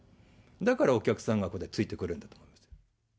だからお客さんがついてくるんだと思います。